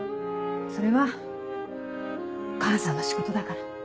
それは母さんの仕事だから。